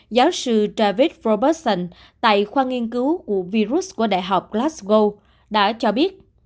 giáo sư david robertson tại khoa nghiên cứu của virus của đại học glasgow đã cho biết